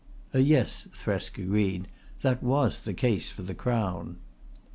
"Yes," Thresk agreed, "that was the case for the Crown."